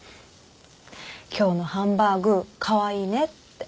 今日のハンバーグカワイイねって。